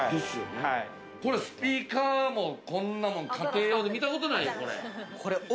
スピーカーも、こんなもん家庭用で見たことないよ、これ。